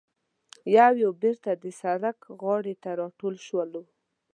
یو یو بېرته د سړک غاړې ته راټول شولو.